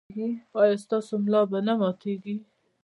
ایا ستاسو ملا به نه ماتیږي؟